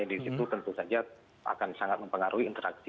di situ tentu saja akan sangat mempengaruhi interaksi